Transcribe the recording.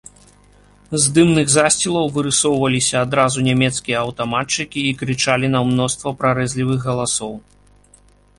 З дымных засцілаў вырысоўваліся адразу нямецкія аўтаматчыкі і крычалі на мноства прарэзлівых галасоў.